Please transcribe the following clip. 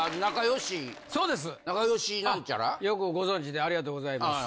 よくご存じでありがとうございます。